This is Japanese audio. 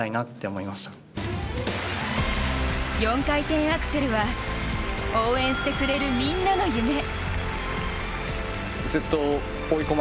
４回転アクセルは応援してくれるみんなの夢。